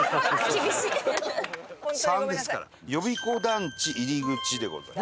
「３」ですから呼子団地入口でございます。